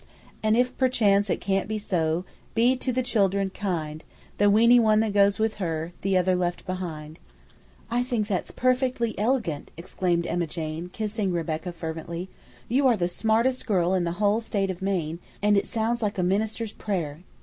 "And if perchance it can't be so, Be to the children kind; The weeny one that goes with her, The other left behind." "I think that's perfectly elegant!" exclaimed Emma Jane, kissing Rebecca fervently. "You are the smartest girl in the whole State of Maine, and it sounds like a minister's prayer.